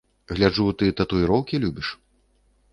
Гляджу, ты татуіроўкі любіш.